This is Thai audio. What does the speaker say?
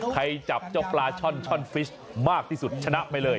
จับเจ้าปลาช่อนช่อนฟิชมากที่สุดชนะไปเลย